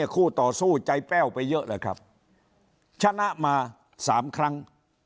คู่ต่อสู้ใจแป้วไปเยอะเลยครับชนะมา๓ครั้ง